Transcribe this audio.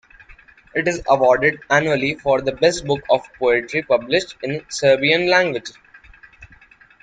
It is awarded annually for the best book of poetry published in Serbian language.